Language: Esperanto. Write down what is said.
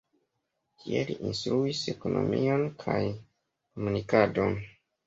Tie li instruis ekonomion kaj komunikadon.